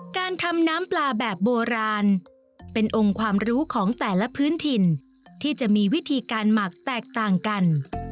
การทำน้ำปลาแบบโบราณเป็นองค์ความรู้ของแต่ละพื้นถิ่นที่จะมีวิธีการหมักแตกต่างกัน